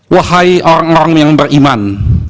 wahai orang orang yang beriman